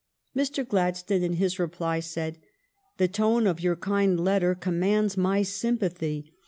Mr. Gladstone in his reply said :" The tone of your kind letter commands my sympathy.